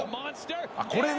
あっこれね。